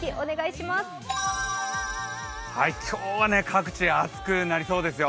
今日は各地暑くなりそうですよ。